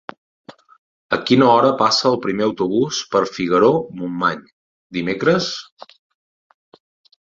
A quina hora passa el primer autobús per Figaró-Montmany dimecres?